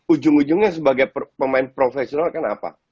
ujung ujungnya sebagai pemain profesional kan apa